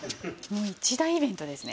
一大イベントですね。